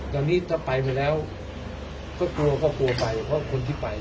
ตอนนี้ถ้าไปไปแล้วก็กลัวก็กลัวไปเพราะคนที่ไป